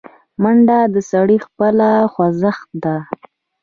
منډه د سړي خپله خوځښت ده